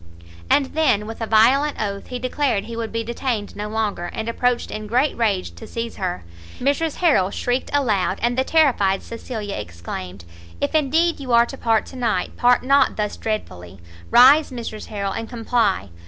And then, with a violent oath, he declared he would be detained no longer, and approached in great rage to seize her; Mrs Harrel shrieked aloud, and the terrified Cecilia exclaimed, "If indeed you are to part to night, part not thus dreadfully! rise, Mrs Harrel, and comply!